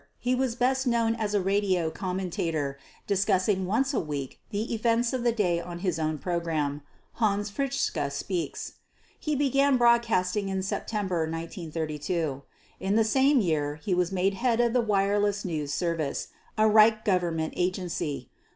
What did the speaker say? He was best known as a radio commentator, discussing once a week the events of the day on his own program, "Hans Fritzsche Speaks." He began broadcasting in September 1932; in the same year he was made the head of the Wireless News Service, a Reich Government agency.